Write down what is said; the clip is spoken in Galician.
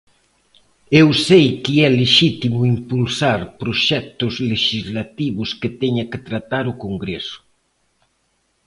Eu sei que é lexítimo impulsar proxectos lexislativos que teña que tratar o Congreso.